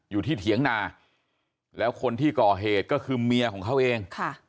เถียงนาแล้วคนที่ก่อเหตุก็คือเมียของเขาเอง